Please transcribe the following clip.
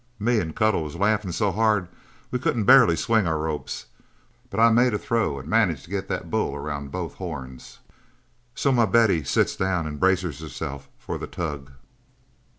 Me and Cuttle was laughin' so hard we couldn't barely swing our ropes, but I made a throw and managed to get that bull around both horns. So my Betty sits down and braces herself for the tug.